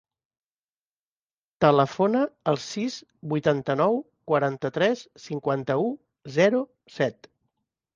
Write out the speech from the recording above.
Telefona al sis, vuitanta-nou, quaranta-tres, cinquanta-u, zero, set.